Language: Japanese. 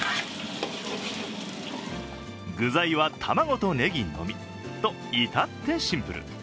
具材は卵とねぎのみと、至ってシンプル。